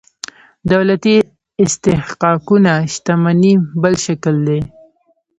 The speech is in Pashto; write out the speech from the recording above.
دولتي استحقاقونه شتمنۍ بل شکل دي.